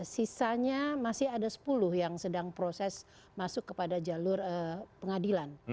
sisanya masih ada sepuluh yang sedang proses masuk kepada jalur pengadilan